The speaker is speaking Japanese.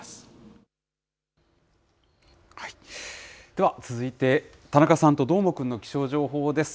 では、続いて田中さんとどーもくんの気象情報です。